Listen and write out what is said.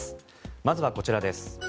まずはこちらです。